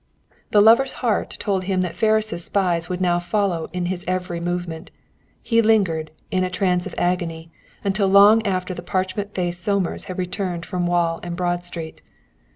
The lover's heart told him that Ferris' spies would now follow in his every movement. He lingered, in a trance of agony, until long after the parchment faced Somers had returned from Wall and Broad Street.